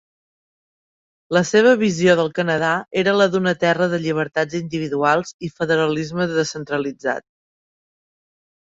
La seva visió del Canadà era la d'una terra de llibertats individuals i federalisme descentralitzat.